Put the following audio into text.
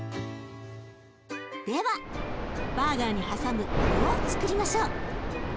ではバーガーに挟む具をつくりましょう。